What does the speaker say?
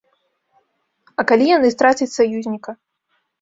А калі яны страцяць саюзніка?